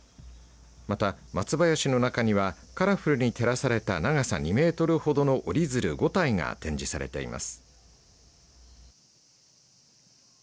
また松林の中にはカラフルに照らされた長さ２メートルほどの折り鶴５体が展示されています。